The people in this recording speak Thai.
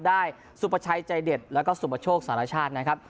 ได้สุพชัยใจเด็ดแล้วก็สุพโชคสหราชาตินะครับ